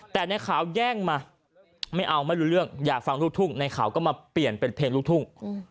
แต่ในข่าวแย่งมาไม่เอาไม่รู้เรื่องอยากฟังลูกทุ่งในข่าวก็มาเปลี่ยนเป็นเพลงลูกทุ่ง